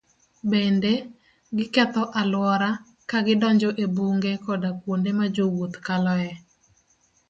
Bende, giketho alwora ka gidonjo e bunge koda kuonde ma jowuoth kaloe.